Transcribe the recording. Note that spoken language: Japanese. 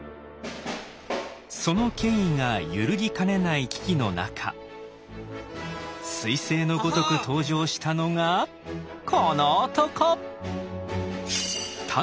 その権威が揺るぎかねない危機の中すい星のごとく登場したのがこの男。